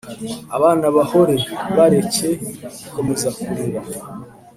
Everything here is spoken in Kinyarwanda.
abana bahore, bareke gukomeza kurira